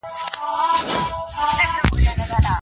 ولي د پرمختګ غوښتنه باید د انسان په وینو کي ګډه وي؟